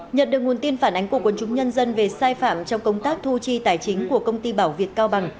nhận được nguồn tin phản ánh của quân chúng nhân dân về sai phạm trong công tác thu chi tài chính của công ty bảo việt cao bằng